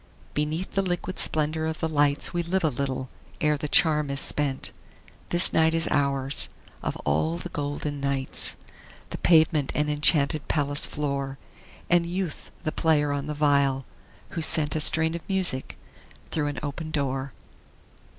Beneath the liquid splendor of the lights We live a little ere the charm is spent; This night is ours, of all the golden nights, The pavement an enchanted palace floor, And Youth the player on the viol, who sent A strain of music through an open door.